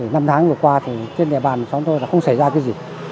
năm tháng vừa qua thì trên địa bàn xóm tôi là không xảy ra cái gì